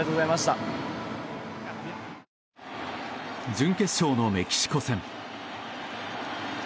準決勝のメキシコ戦。